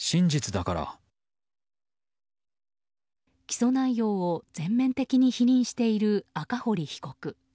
起訴内容を全面的に否認している赤堀被告。